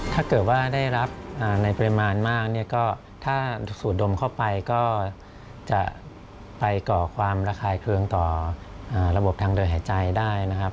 ถ้าเกิดว่าได้รับในปริมาณมากเนี่ยก็ถ้าสูดดมเข้าไปก็จะไปก่อความระคายเครื่องต่อระบบทางเดินหายใจได้นะครับ